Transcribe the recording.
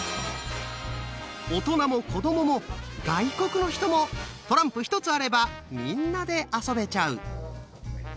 大人も子どもも外国の人もトランプ一つあればみんなで遊べちゃう！